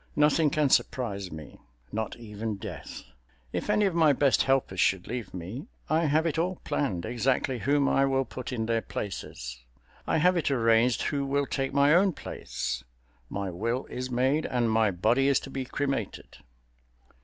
Nothing can surprise me—not even death. If any of my best helpers should leave me, I have it all planned exactly whom I will put in their places. I have it arranged who will take my own place—my will is made and my body is to be cremated.